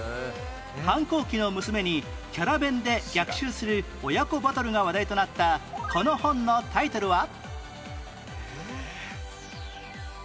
反抗期の娘にキャラ弁で逆襲する親子バトルが話題となったこの本のタイトルは？え？